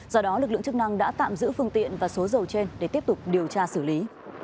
do đó lực lượng chức năng đã tạm giữ phương tiện và số dầu trên để tiếp tục điều tra xử lý